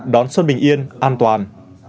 đón xuân bình yên an toàn